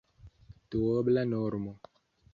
Duobla normo!